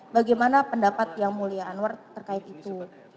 bagaimana pendapat yang mulia anwar terkait itu